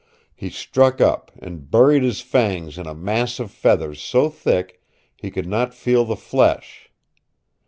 He struck up, and buried his fangs in a mass of feathers so thick he could not feel the flesh.